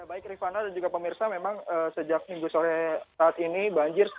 baik rifana dan juga pemirsa memang sejak minggu sore saat ini banjir